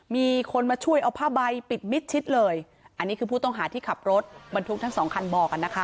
มีคนมาช่วยเอาผ้าใบปิดมิดชิดเลยอันนี้คือผู้ต้องหาที่ขับรถบรรทุกทั้งสองคันบอกอ่ะนะคะ